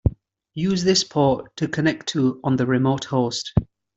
Use this port to connect to on the remote host.